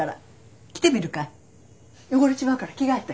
汚れちまうから着替えて。